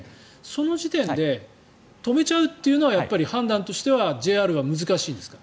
その時点で止めちゃうというのはやっぱり判断としてはＪＲは難しいんですか？